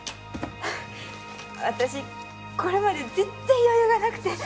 私これまで全然余裕がなくて